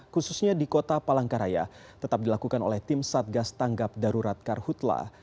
khususnya di kota palangkaraya tetap dilakukan oleh tim satgas tanggap darurat karhutlah